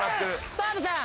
澤部さん。